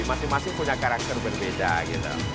masing masing punya karakter berbeda gitu